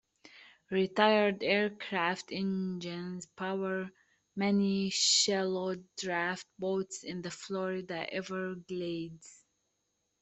Retired aircraft engines power many shallow draft boats in the Florida Everglades.